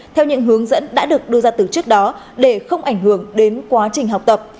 theo những hướng dẫn đã được đưa ra từ trước đó để không ảnh hưởng đến quá trình học tập